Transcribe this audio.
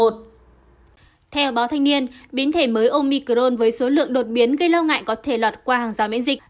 theo báo thanh niên biến thể mới omicrone với số lượng đột biến gây lo ngại có thể lọt qua hàng rào miễn dịch